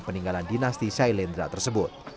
peninggalan dinasti sailendra tersebut